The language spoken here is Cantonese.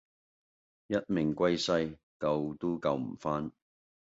一命歸西，救都救唔返